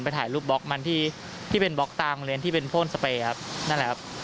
ถ่ายรูปบล็อกมันที่ที่เป็นบล็อกตามโรงเรียนที่เป็นโพ่นสเปย์ครับนั่นแหละครับ